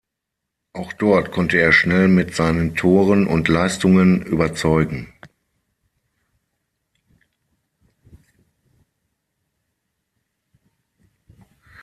Auch dort konnte er schnell mit seinen Toren und Leistungen überzeugen.